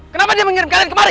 kenapa dia mengirim kalian kemari